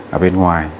ở bên ngoài